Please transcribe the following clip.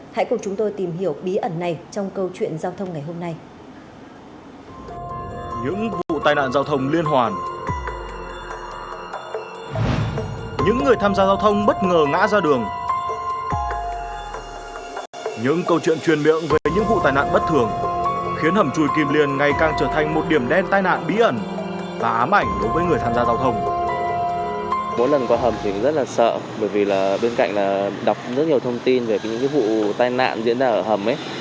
hãy cùng camera của chúng tôi di chuyển qua đoạn giao thoa giữa trong và ngoài hầm